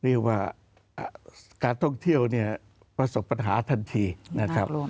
เรียกว่าการท่องเที่ยวเนี่ยประสบปัญหาทันทีนะครับ